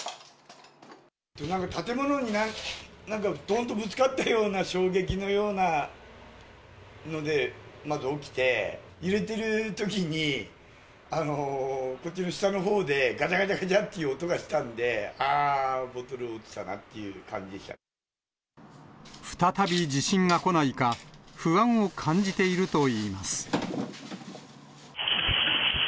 なんか建物に、なんかどんとぶつかったような、衝撃のようなので、まず起きて、揺れているときに、こっちの下のほうでがちゃがちゃがちゃっていう音がしたんで、あー、再び地震が来ないか、不安を感じているといいます。